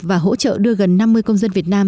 và hỗ trợ đưa gần năm mươi công dân việt nam